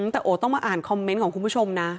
แต่โอ้ต้องมาอ่านคอมเมนต์ของคุณผู้ชมนะ